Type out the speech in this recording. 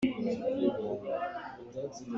Ni amakuru yatanzwe nabi adafite ishingiro.